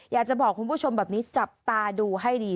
อยากจะบอกคุณผู้ชมแบบนี้จับตาดูให้ดี